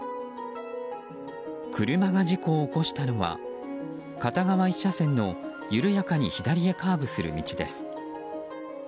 車が事故を起こしたのは片側１車線の緩やかに左へカーブする道です。